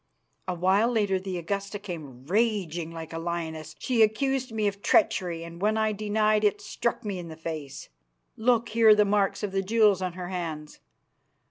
A while later the Augusta came raging like a lioness. She accused me of treachery, and when I denied it struck me in the face. Look, here are the marks of the jewels on her hands.